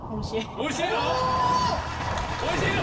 おいしいの！？